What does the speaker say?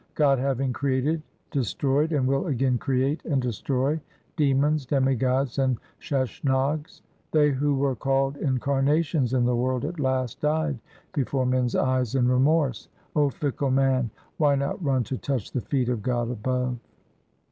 God having created destroyed, and will again create and destroy demons, demigods, and Sheshnags. They who were called incarnations in the world at last died before men's eyes 1 in remorse. O fickle man, why not run to touch the feet of God above.